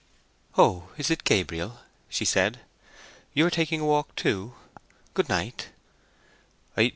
"Oh, is it Gabriel?" she said. "You are taking a walk too. Good night."